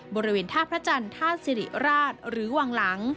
บริเวณท่าพระจันทร์ท่าสิริราชหรือวังหลัง